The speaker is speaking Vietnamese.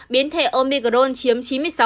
biến thể omicron chiếm chín mươi sáu ba